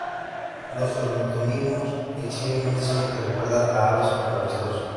Los ornitomímidos exhiben un diseño que recuerda a aves como el avestruz.